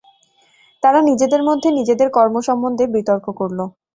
তারা নিজেদের মধ্যে নিজেদের কর্ম সম্বন্ধে বিতর্ক করল।